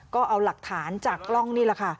ก็เอาหลักฐานจากกล้องนี่แหละค่ะ